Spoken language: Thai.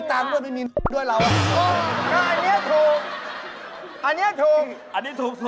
ตังค์หนูไม่ค่อยมีดวงก็ไม่มีอีก